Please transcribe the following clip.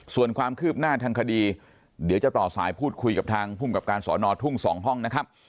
ส่วนความคืบหน้าทางคดีเดี๋ยวจะต่อสายพูดคุยกับทางภูมิกับการสอนอทุ่ง๒ห้องนะครับ